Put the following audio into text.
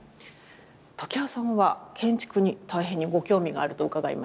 常盤さんは建築に大変にご興味があると伺いました。